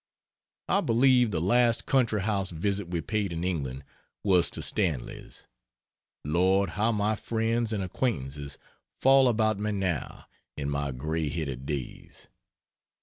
I believe the last country house visit we paid in England was to Stanley's. Lord, how my friends and acquaintances fall about me now, in my gray headed days!